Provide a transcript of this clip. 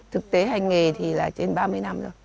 thực tế hành nghề thì là trên ba mươi năm rồi